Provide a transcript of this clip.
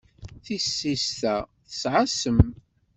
Tissist-a tesɛa ssem?